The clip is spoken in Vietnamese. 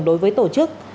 đối với tổ chức